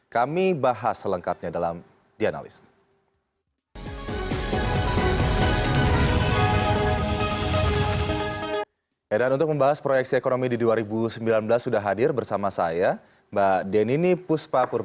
kami bahas selengkapnya dalam dianalis